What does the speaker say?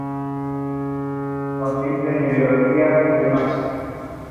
Su postulación fue motivo de una intensa campaña publicitaria.